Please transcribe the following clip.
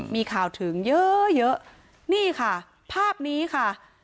มีข่าวถึงเยอะเยอะนี่ค่ะภาพนี้ค่ะ